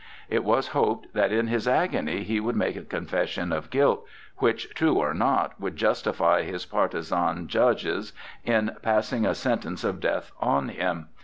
It was hoped that in his agony he would make a confession of guilt which, true or not, would justify his partisan judges in passing a sentence of death on him.